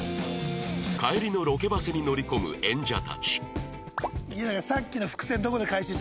帰りのロケバスに乗り込む演者たち